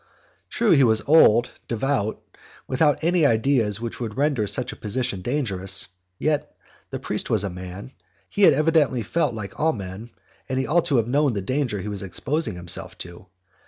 True, he was old, devout, and without any of the ideas which might render such a position dangerous, yet the priest was a man, he had evidently felt like all men, and he ought to have known the danger he was exposing himself to.